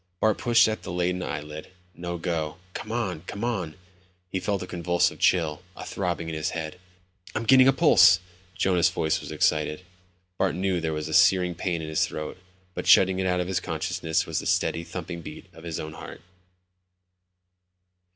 Bart pushed at the leaden eyelid. No go. Come on, come on. He felt a convulsive chill, a throbbing in his head. "I'm getting a pulse." Jonas' voice was excited. Bart knew there was a searing pain in his throat, but shutting it out of his consciousness was the steady, thumping beat of his own heart.